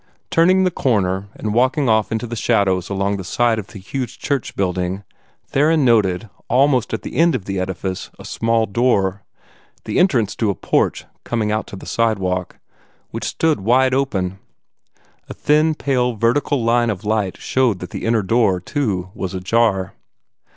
Turning the corner, and walking off into the shadows along the side of the huge church building, Theron noted, almost at the end of the edifice, a small door the entrance to a porch coming out to the sidewalk which stood wide open. A thin, pale, vertical line of light showed that the inner door, too, was ajar.